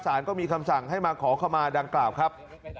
ก็มีคำสั่งให้มาขอขมาดังกล่าวครับ